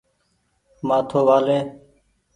مآٿو وآ لي ۔